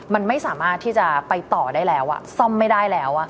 มันไม่สามารถที่จะไปต่อได้แล้วซ่อมไม่ได้แล้ว